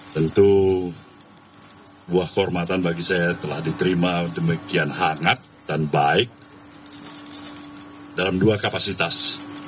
tentu buah kehormatan bagi saya telah diterima demikian hangat dan baik dalam dua kapasitas